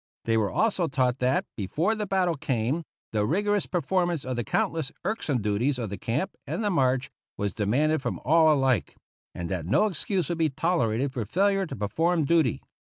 They were also taught that, before the battle came, the rigorous perform ance of the countless irksome duties of the camp and the march was demanded from all alike, and 42 TO CUBA that no excuse would be tolerated for failure to perform duty.